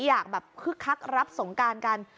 อยากแบบคึกคักรับสงการกัน